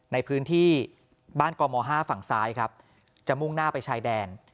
ในพื้นที่บ้านกม๕ฝั่งซ้ายครับจะมุ่งหน้าไปชายแดน